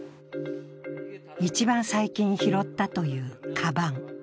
一番最近拾ったというかばん。